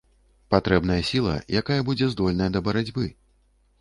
Патрэбная сіла, якая будзе здольная да барацьбы.